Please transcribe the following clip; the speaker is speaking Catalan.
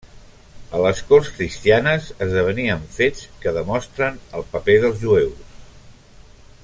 A les corts cristianes esdevenien fets que demostren el paper dels jueus.